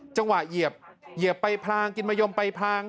เหยียบไปพลางกินมะยมไปพลาง